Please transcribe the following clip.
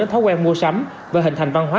thói quen mua sắm và hình thành văn hóa